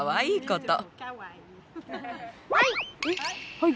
はい。